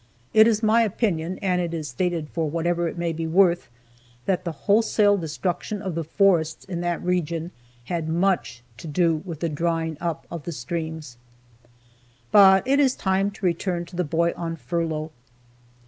It is my opinion, and is stated for whatever it may be worth, that the wholesale destruction of the forests of that region had much to do with the drying up of the streams. But it is time to return to the boy on furlough.